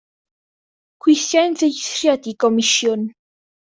Gweithiai'n ddieithriad i gomisiwn.